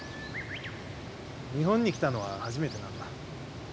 日本に来たのは初めてなんだ。